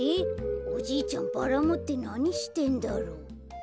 おじいちゃんバラもってなにしてんだろう。